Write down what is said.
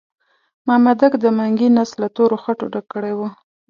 مامدک د منګي نس له تورو خټو ډک کړی وو.